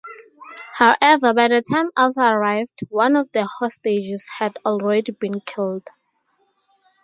However, by the time Alpha arrived, one of the hostages had already been killed.